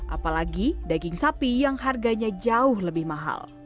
apalagi daging sapi yang harganya jauh lebih mahal